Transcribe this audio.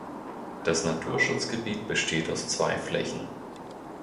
Das Naturschutzgebiet besteht aus zwei Flächen.